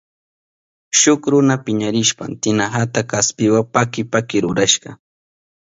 Shuk runa piñarishpan tinahata kaspiwa paki paki rurashka.